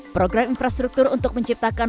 program infrastruktur untuk menciptakan